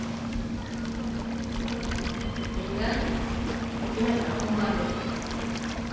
みんな今から本番です。